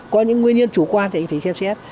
có những nguyên nhân chủ quan thì anh phải xem xét